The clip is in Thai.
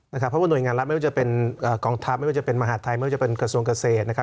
เพราะว่าหน่วยงานรัฐไม่ว่าจะเป็นกองทัพไม่ว่าจะเป็นมหาดไทยไม่ว่าจะเป็นกระทรวงเกษตร